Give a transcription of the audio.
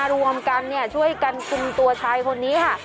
รวมกันช่วยกันคุมตัวชายคนนี้ค่ะ